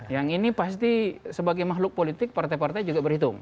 yang ini pasti sebagai makhluk politik partai partai juga berhitung